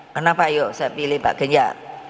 kenapa yuk saya pilih pak ganjar